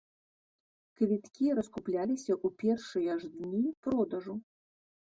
Квіткі раскупляліся ў першыя ж дні продажу.